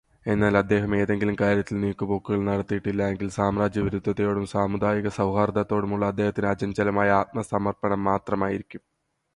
എന്നാല് അദ്ദേഹം എതെങ്കിലും കാര്യത്തില് നീക്കുപോക്കുകള് നടത്തിയിട്ടില്ലായെങ്കില്, സാമ്രാജ്യത്വവിരുദ്ധതയോടും സാമുദായികസൗഹാര്ദത്തോടുമുള്ള അദ്ദേഹത്തിന്റെ അചഞ്ചലമായ ആത്മസമര്പ്പണം മാത്രമായിരിക്കും.